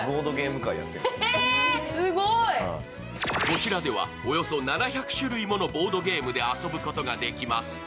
こちらではおよそ７００種類ものボードゲームで遊ぶことができます。